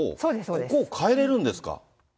ここをかえれるんですか。